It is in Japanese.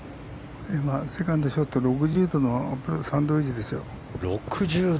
セカンドショット、６０度のサンドウェッジですよ。